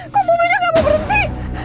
kok mobilnya nggak mau berhenti